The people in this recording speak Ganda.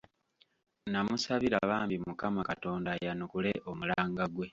Nnamusabira bambi Mukama Katonda ayanukule omulanga gwe.